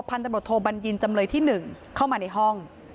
พันธบทโทบัญญินจำเลยที่๑เข้ามาในห้อง